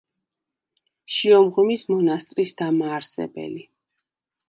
შიომღვიმის მონასტრის დამაარსებელი.